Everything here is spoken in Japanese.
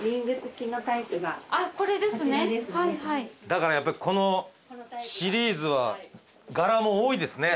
だからやっぱりこのシリーズは柄も多いですね。